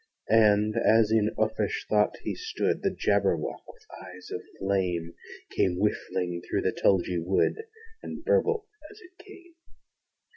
And, as in uffish thought he stood, The Jabberwock, with eyes of flame, Came whiffling through the tulgey wood, And burbled as it came!